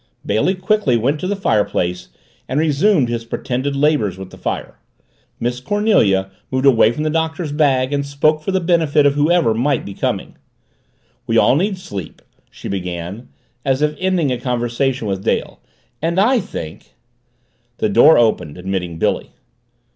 Bailey quickly went to the fireplace and resumed his pretended labors with the fire. Miss Cornelia moved away from the Doctor's bag and spoke for the benefit of whoever might be coming. "We all need sleep," she began, as if ending a conversation with Dale, "and I think " The door opened, admitting Billy.